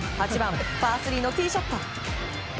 ８番、パー３のティーショット。